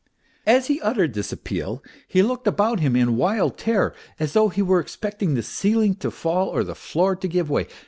As he uttered this appeal he looked about him in wild terror, as though he were expecting the ceiling to fall or the floor to give way.